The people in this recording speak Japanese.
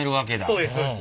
そうですそうです。